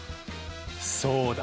そうだ。